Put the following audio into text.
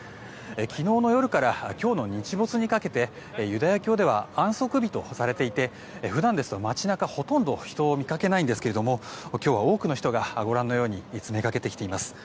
昨日の夜から今日の日没にかけてユダヤ教では安息日とされていて普段ですと街中はほとんど人を見かけないんですが今日は多くの人がご覧のように詰めかけてきています。